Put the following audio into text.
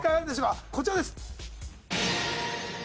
こちらです。